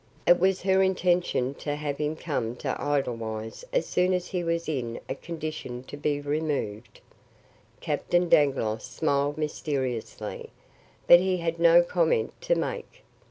It was her intention to have him come to Edelweiss as soon as he was in a condition to be removed. Captain Dangloss smiled mysteriously, but he had no comment to make.